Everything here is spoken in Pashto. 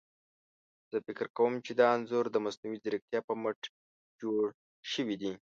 زه فکر کوم چي دا انځور ده مصنوعي ځيرکتيا په مټ جوړ شوي دي.